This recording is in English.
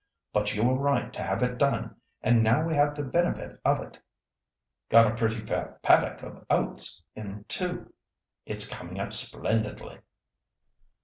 But you were right to have it done, and now we have the benefit of it. Got a pretty fair paddock of oats in too. It's coming up splendidly."